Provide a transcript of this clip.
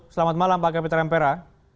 selamat malam pak kapiter ampera